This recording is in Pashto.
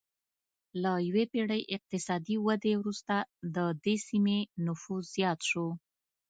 له یوې پېړۍ اقتصادي ودې وروسته د دې سیمې نفوس زیات شو